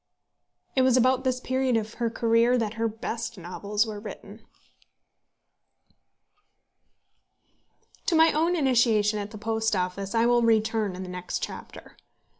It was about this period of her career that her best novels were written. To my own initiation at the Post Office I will return in the next chapter.